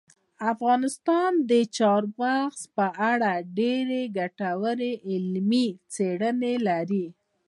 افغانستان د چار مغز په اړه ډېرې ګټورې علمي څېړنې لري.